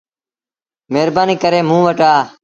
مهربآنيٚ ڪري موݩ وٽ آ۔